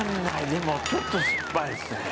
でもちょっとすっぱいっすね。